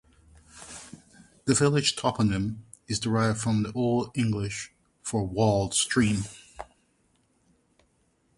The village toponym is derived from the Old English for "walled stream".